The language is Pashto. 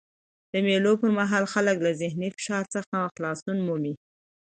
د مېلو پر مهال خلک له ذهني فشار څخه خلاصون مومي.